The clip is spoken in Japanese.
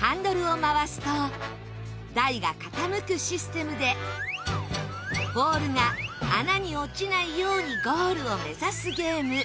ハンドルを回すと台が傾くシステムでボールが穴に落ちないようにゴールを目指すゲーム。